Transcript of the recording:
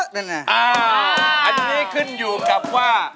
อ้าวตรงนี้ขึ้นอยู่กับว่า